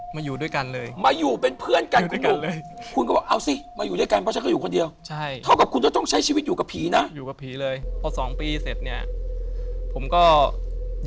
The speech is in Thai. มาอยูอยู่ด้วยกันเลย